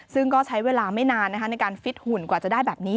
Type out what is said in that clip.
ซึ่งก็ใช้เวลาไม่นานในการฟิตหุ่นกว่าจะได้แบบนี้